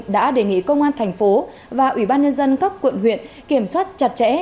đã đề nghị công an thành phố và ủy ban nhân dân các quận huyện kiểm soát chặt chẽ